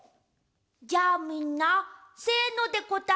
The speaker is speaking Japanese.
じゃあみんな「せの」でこたえよう。